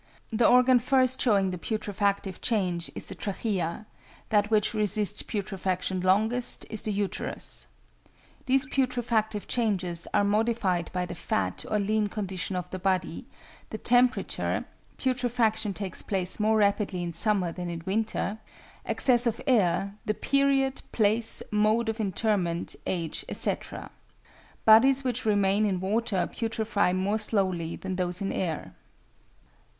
The organ first showing the putrefactive change is the trachea; that which resists putrefaction longest is the uterus. These putrefactive changes are modified by the fat or lean condition of the body, the temperature (putrefaction taking place more rapidly in summer than in winter), access of air, the period, place, mode of interment, age, etc. Bodies which remain in water putrefy more slowly than those in air.